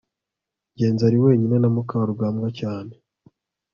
ngenzi ari wenyine na mukarugambwa cyane